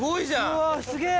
うわすげぇ。